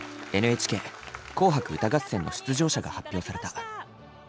「ＮＨＫ紅白歌合戦」の出場者が発表された。